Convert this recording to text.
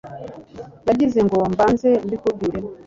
nagize ngo mbanze mbikubwire